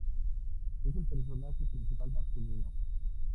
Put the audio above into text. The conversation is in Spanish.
Es el personaje principal masculino.